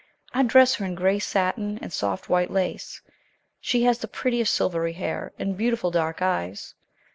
I'd dress her in gray satin and soft white lace. She has the prettiest silvery hair, and beautiful dark eyes.